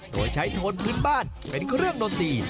โดยใช้โทนพื้นบ้านเป็นเครื่องดนตรี